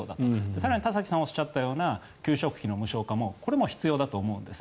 更に田崎さんがおっしゃったような給食費の無償化も必要だと思うんです。